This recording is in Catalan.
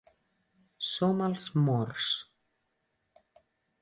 Som els Morts.